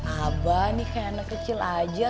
abah ini kayak anak kecil aja